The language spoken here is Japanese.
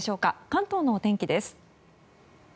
関東のお天気です。